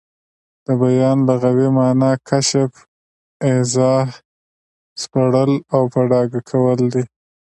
د بیان لغوي مانا کشف، ايضاح، سپړل او په ډاګه کول دي.